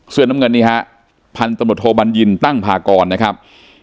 เสื้อน้ำเงินนี่ฮะพันตำรวจโทบัญญินตั้งพากรนะครับ